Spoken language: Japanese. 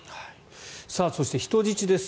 そして、人質です。